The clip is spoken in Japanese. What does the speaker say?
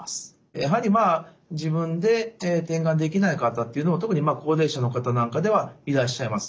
やはり自分で点眼できない方っていうのは特に高齢者の方なんかではいらっしゃいます。